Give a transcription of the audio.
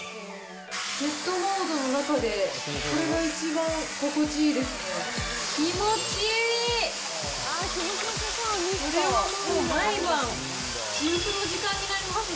ジェットモードの中でこれが一番心地いいです。